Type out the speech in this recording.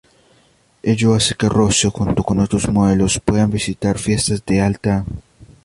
Ello hace que Rocío, junto con otras modelos, puedan visitar fiestas de alta sociedad.